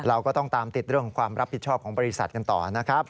เราก็ต้องตามติดเรื่องของความรับผิดชอบของบริษัทกันต่อนะครับ